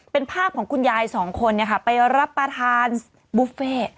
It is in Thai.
เป็นภาพของคุณยายสองคนไปรับประทานบุฟเฟ่